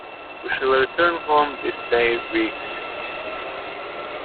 We shall return home this day week.